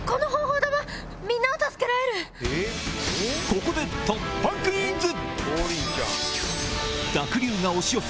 ここで突破クイズ！